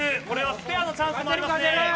スペアのチャンスもあります。